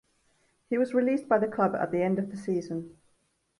He was released by the club at the end of the season.